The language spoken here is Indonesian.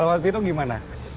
kalau waktu itu gimana